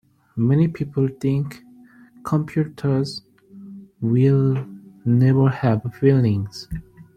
Many people think computers will never have feelings.